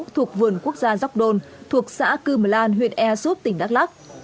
thuộc vườn quốc gia yoc don thuộc xã cư mờ lan huyện ea suốt tỉnh đắk lắc